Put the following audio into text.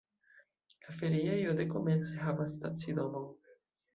La feriejo dekomence havas stacidomon.